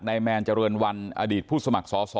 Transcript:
แมนเจริญวันอดีตผู้สมัครสอสอ